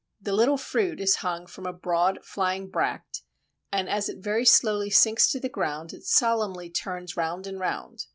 The little fruit is hung from a broad, flying bract, and as it very slowly sinks to the ground it solemnly turns round and round.